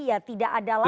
ya tidak ada lagi